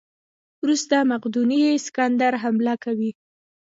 وروسته مقدوني سکندر حمله کوي.